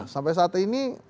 sampai saat ini